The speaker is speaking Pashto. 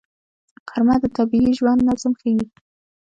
غرمه د طبیعي ژوند نظم ښيي